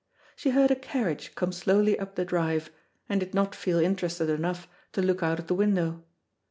She heard a carriage come slowly up the drive, and did not feel interested enough to look out of the window.